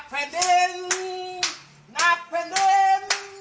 จุธรทร